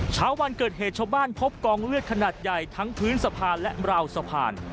เช้าวันเกิดเหตุชาวบ้านพบกองเลือดขนาดใหญ่ทั้งพื้นสะพานและราวสะพาน